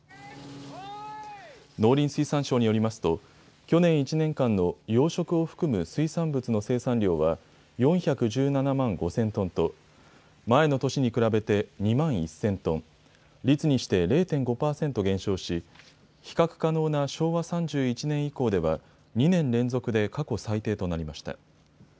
農林水産省によりますと去年１年間の養殖を含む水産物の生産量は４１７万５０００トンと前の年に比べて２万１０００トン、率にして０．５％減少し比較可能な昭和３１年以降では２年連続で過去最低となりました。